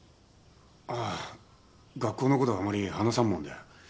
ああ学校のことはあまり話さんもんで。